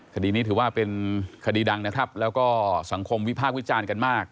คดีนี้ถือว่าเป็นคดีดังนะครับแล้วก็สังคมวิพากษ์วิจารณ์กันมาก